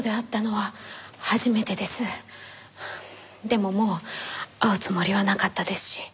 でももう会うつもりはなかったですし。